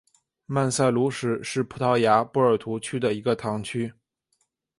曼塞卢什是葡萄牙波尔图区的一个堂区。